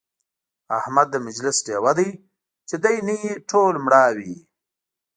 احمد د مجلس ډېوه دی، چې دی نه وي ټول مړاوي وي.